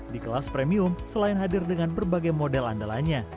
di kelas premium selain hadir dengan berbagai model andalanya